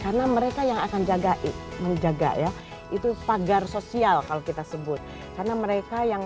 karena mereka yang akan jaga ii menjaga ya itu pagar sosial kalau kita sebut karena mereka yang